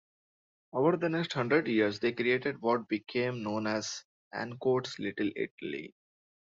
Over the next hundred years they created what became known as Ancoats Little Italy.